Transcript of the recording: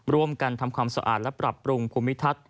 ร่วมกันทำความสะอาดและปรับปรุงภูมิทัศน์